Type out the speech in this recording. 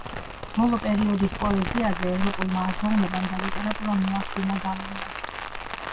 ბოლო პერიოდის პოეზიაზე ევროპულმა აზროვნებამ და ლიტერატურამ მოახდინა გავლენა.